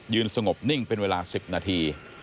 สงบนิ่งเป็นเวลา๑๐นาที